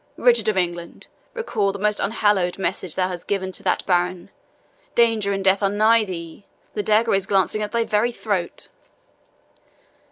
Richard of England, recall the most unhallowed message thou hast given to that baron. Danger and death are nigh thee! the dagger is glancing at thy very throat!